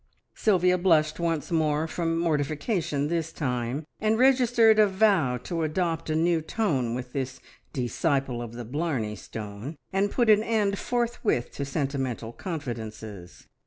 Sylvia blushed once more, from mortification this time, and registered a vow to adopt a new tone with this disciple of the Blarney stone, and put an end forthwith to sentimental confidences.